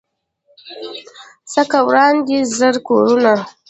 څه که وران دي زر کورونه